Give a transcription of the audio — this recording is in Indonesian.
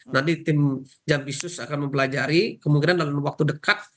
nanti tim jampisus akan mempelajari kemungkinan dalam waktu dekat